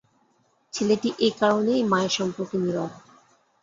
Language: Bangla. ছেলেটি এ কারণেই মায়ের সম্পর্কে নীরব।